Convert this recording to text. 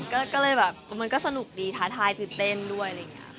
ก็เลยแบบมันก็สนุกดีท้าทายคือเต้นด้วย